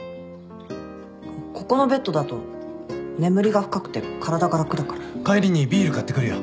ここのベッドだと眠りが深くて体が楽だから帰りにビール買ってくるよ。